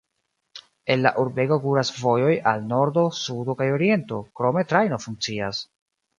El la urbego kuras vojoj al nordo, sudo kaj oriento, krome trajno funkcias.